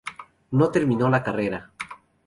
No terminó la carrera.